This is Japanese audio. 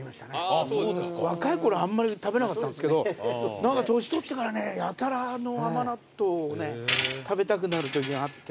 あぁそうですか。若いころあんまり食べなかったんですけど何か年取ってからねやたらあの甘納豆をね食べたくなるときがあって。